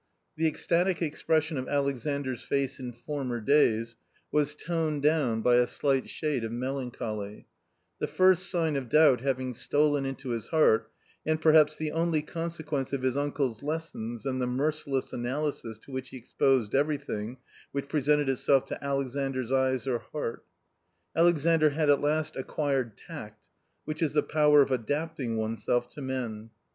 The ecstatic expression of Alexandr's face in former days was toned down by a slight shade of melancholy : the first sign of doubt having stolen into his heart, and perhaps the only consequence of his uncle's lessons and the merciless analysis to which he exposed everything which presented itself to Alexandras eyes or heart. Alexandr had at last acquired tact, which is the power of adapting oneself to men.